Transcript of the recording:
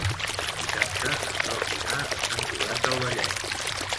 Dissabte en Roc irà a Sant Cugat del Vallès.